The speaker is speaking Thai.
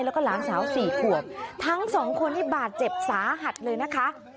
แล้วก็หลานสาวสี่ขวบทั้งสองคนนี้บาดเจ็บสาหัสเลยนะคะ